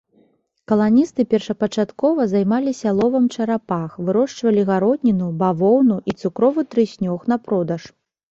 Каланісты першапачаткова займаліся ловам чарапах, вырошчвалі гародніну, бавоўну і цукровы трыснёг на продаж.